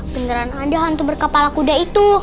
beneran anda hantu berkepala kuda itu